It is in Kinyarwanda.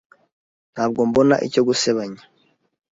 Ntabwo mbona icyo gusebanya.